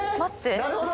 なるほど。